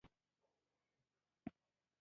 د حنا پاڼې د څه لپاره وکاروم؟